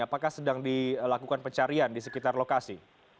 apakah sedang dilakukan pencarian di sekitar lokasi